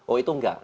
oh itu enggak